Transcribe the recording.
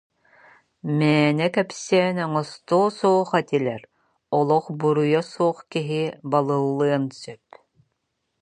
Мээнэ кэпсээн оҥостуо суох этилэр, олох буруйа суох киһи балыллыан сөп